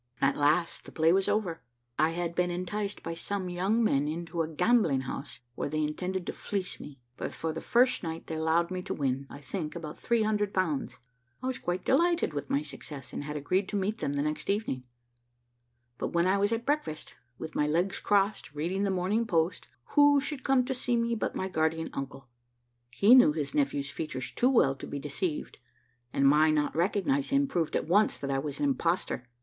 "At last the play was over. I had been enticed by some young men into a gambling house, where they intended to fleece me; but, for the first night, they allowed me to win, I think, about 300 pounds. I was quite delighted with my success, and had agreed to meet them the next evening; but when I was at breakfast, with my legs crossed, reading the Morning Post, who should come to see me but my guardian uncle. He knew his nephew's features too well to be deceived, and my not recognising him proved at once that I was an impostor.